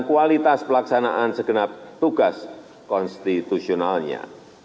kualitas pelaksanaan segenap tugas konstitusionalnya